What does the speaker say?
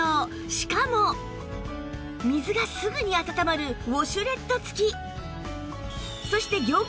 しかも水がすぐに温まるウォシュレット付き